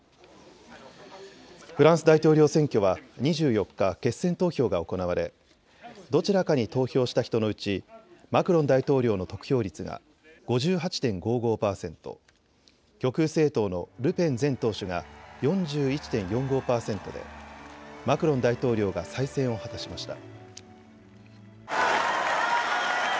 フランス大統領選挙は２４日、決選投票が行われどちらかに投票した人のうちマクロン大統領の得票率が５８．５５％、極右政党のルペン前党首が４１．４５％でマクロン大統領が再選を果たしました。